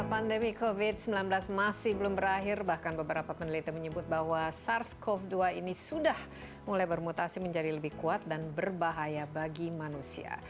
pandemi covid sembilan belas masih belum berakhir bahkan beberapa peneliti menyebut bahwa sars cov dua ini sudah mulai bermutasi menjadi lebih kuat dan berbahaya bagi manusia